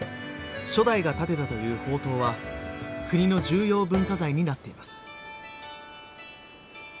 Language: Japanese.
初代が建てたという宝塔は国の重要文化財になっています。